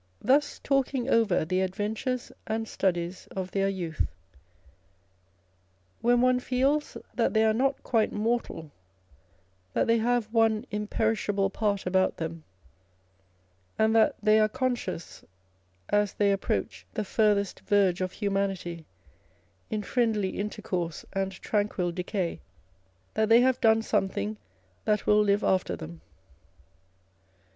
thus talking over the adventures and studies of their youth, when one feels that they are not quite mortal, that they have one imperishable part about them, and that they are conscious, as they approach the farthest verge of humanity in friendly intercourse and tranquil decay, that they have done something that will live after them.